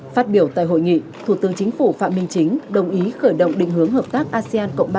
phát biểu tại hội nghị thủ tướng chính phủ phạm minh chính đồng ý khởi động định hướng hợp tác asean cộng ba